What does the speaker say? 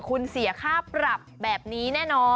คุณเสียค่าปรับแบบนี้แน่นอน